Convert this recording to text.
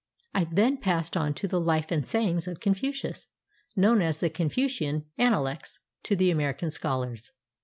I then passed on to the " Life and Sayings of Confucius," known as the "Confucian Analects" to the American scholars.